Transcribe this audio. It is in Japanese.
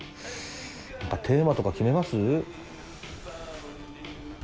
何かテーマとか決めます？